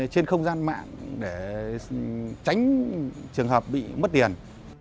trên không gian mạng để tránh trường hợp bị mất tiền